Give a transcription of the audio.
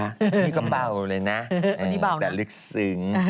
นี่ก็เบาเลยนะแต่ลึกซึ้ง